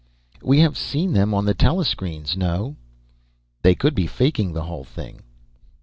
"We have seen them on the telescreens, no?" "They could be faking the whole thing."